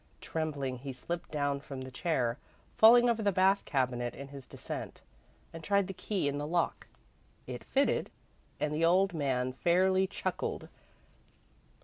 Trembling, he slipped down from the chair, falling over the bath cabinet in his descent, and tried the key in the lock. It fitted, and the old man fairly chuckled.